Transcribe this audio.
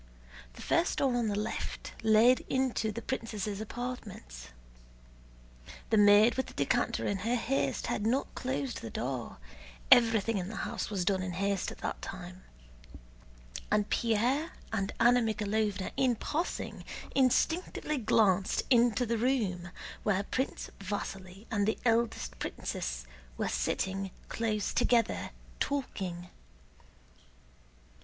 The first door on the left led into the princesses' apartments. The maid with the decanter in her haste had not closed the door (everything in the house was done in haste at that time), and Pierre and Anna Mikháylovna in passing instinctively glanced into the room, where Prince Vasíli and the eldest princess were sitting close together talking.